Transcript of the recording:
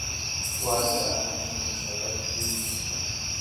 • واده د ارام ژوند سبب کېږي.